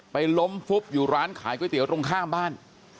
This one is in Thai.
ล้มฟุบอยู่ร้านขายก๋วยเตี๋ยวตรงข้ามบ้าน